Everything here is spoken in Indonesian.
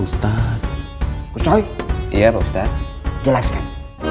ustadz usai dia bapak jelaskan